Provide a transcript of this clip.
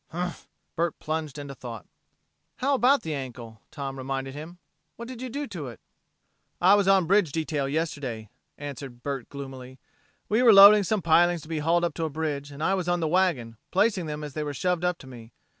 "Humph!" Bert plunged into thought. "How about the ankle?" Tom reminded him. "What did you do to it?" "I was on a bridge detail yesterday," answered Bert gloomily. "We were loading some pilings to be hauled up to a bridge, and I was on the wagon, placing them as they were shoved up to me.